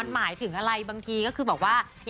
เพราะว่ามีเพื่อนซีอย่างน้ำชาชีระนัทอยู่เคียงข้างเสมอค่ะ